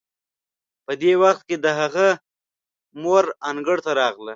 په دې وخت کې د هغه مور انګړ ته راغله.